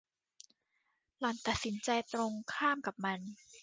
หล่อนตัดสินใจตรงข้ามกับมัน